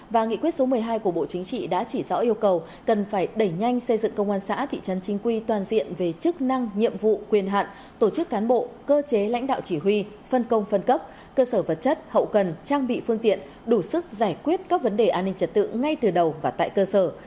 và nghị quyết số một mươi hai của bộ chính trị đã chỉ rõ yêu cầu cần phải đẩy nhanh xây dựng công an xã thị trấn chính quy toàn diện về chức năng nhiệm vụ quyền hạn tổ chức cán bộ cơ chế lãnh đạo chỉ huy phân công phân cấp cơ sở vật chất hậu cần trang bị phương tiện đủ sức giải quyết các vấn đề an ninh trật tự ngay từ đầu và tại cơ sở